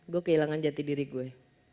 gue kehilangan jati diri gue